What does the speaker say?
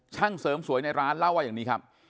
ช่างเสริมสวยในร้านเล่าว่าอย่างนี้ครับ